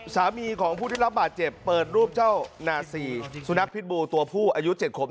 สามีของผู้ได้รับบาดเจ็บเปิดรูปเจ้านาซีสุนัขพิษบูตัวผู้อายุ๗ขวบ